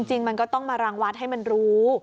จริงมันก็ต้องมารังวัดให้มันรู้